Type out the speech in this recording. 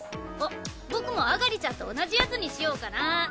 あっ僕も上理ちゃんと同じやつにしようかな。